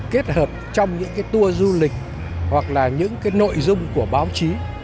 kết hợp trong những tour du lịch hoặc là những nội dung của báo chí